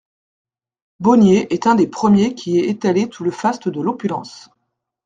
Boësnier est un des premiers qui aient étalé tout le faste de l'opulence.